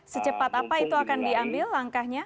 secepat apa itu akan diambil langkahnya